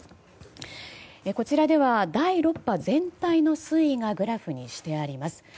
こちらでは第６波全体の推移がグラフにしてあります。